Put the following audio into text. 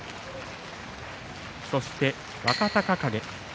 そして若隆景。